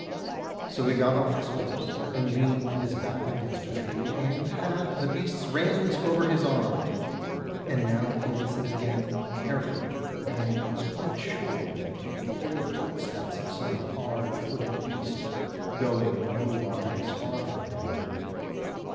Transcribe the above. So he got off his horse, and leaned his back against a tree, and had the beast's reins over his arm; and now he listened again carefully, and was quite sure that he could hear the footsteps of some hard footed beast going nowise far from him.